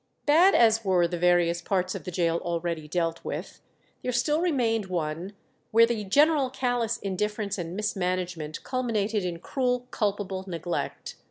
Bad as were the various parts of the gaol already dealt with, there still remained one where the general callous indifference and mismanagement culminated in cruel culpable neglect.